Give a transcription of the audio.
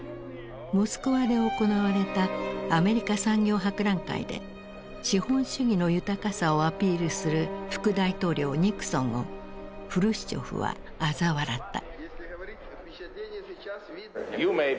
モスクワで行われたアメリカ産業博覧会で資本主義の豊かさをアピールする副大統領ニクソンをフルシチョフはあざ笑った。